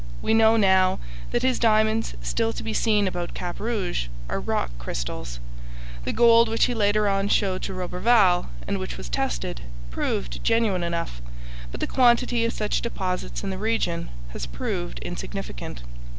We know now that his diamonds, still to be seen about Cap Rouge, are rock crystals. The gold which he later on showed to Roberval, and which was tested, proved genuine enough, but the quantity of such deposits in the region has proved insignificant.